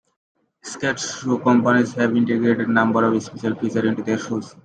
Skate shoe companies have integrated a number of special features into their shoes.